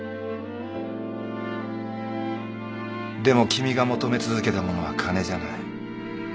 でも君が求め続けたものは金じゃない。